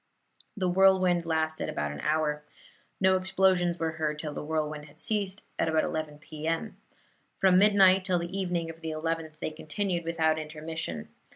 The whirlwind lasted about an hour. No explosions were heard till the whirlwind had ceased, at about 11 P.M. From midnight till the evening of the 11th, they continued without intermission.